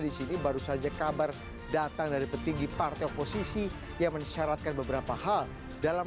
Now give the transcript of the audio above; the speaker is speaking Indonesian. disini baru saja kabar datang dari petinggi partai oposisi yang mensyaratkan beberapa hal dalam